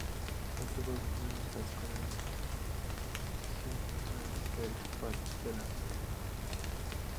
Mantuvo gran amistad con el dirigente catalanista Enric Prat de la Riba.